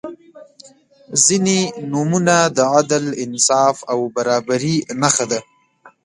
• ځینې نومونه د عدل، انصاف او برابري نښه ده.